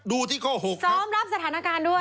ดูที่ข้อ๖ซ้อมรับสถานการณ์ด้วย